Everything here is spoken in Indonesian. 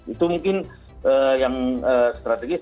itu mungkin yang strategis